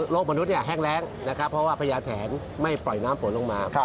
มนุษย์แห้งแรงนะครับเพราะว่าพญาแถนไม่ปล่อยน้ำฝนลงมา